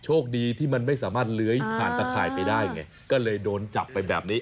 โชคดีที่มันไม่สามารถเลื้อยผ่านตะข่ายไปได้ไงก็เลยโดนจับไปแบบนี้